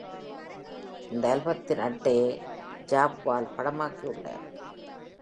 இந்த ஆல்பத்தின் அட்டையை ஜெஃப் வால் படமாக்கியுள்ளார்.